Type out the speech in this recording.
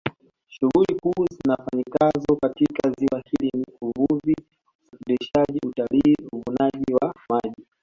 Shughuli kuu zifanyikazo katika ziwa hili ni Uvuvi Usafirishaji Utalii Uvunaji wa maji